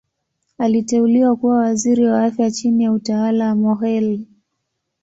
Aliteuliwa kuwa Waziri wa Afya chini ya utawala wa Mokhehle.